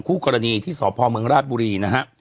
คู่กรณีที่สพเมืองราชบุรีนะฮะ